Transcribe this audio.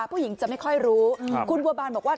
ผู้หญิงจะไม่ค่อยรู้คุณบัวบานบอกว่า